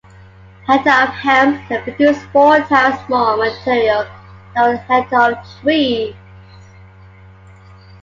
A hectare of hemp can produce four times more material than one hectare of trees.